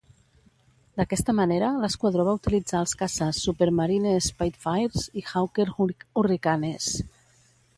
D'aquesta manera, l'esquadró va utilitzar els caces Supermarine Spitfires i Hawker Hurricanes.